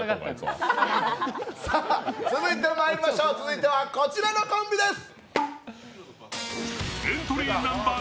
続いてはこちらのコンビです。